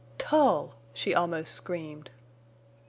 "Tull!" she almost screamed.